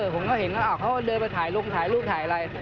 ผมก็เห็นว่าเขาเดินไปถ่ายลงถ่ายรูปถ่ายอะไร